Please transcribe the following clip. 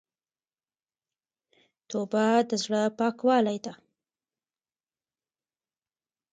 توبه د زړه پاکوالی ده.